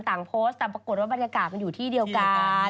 โพสต์แต่ปรากฏว่าบรรยากาศมันอยู่ที่เดียวกัน